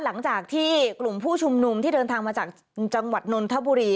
หลังจากที่กลุ่มผู้ชุมนุมที่เดินทางมาจากจังหวัดนนทบุรี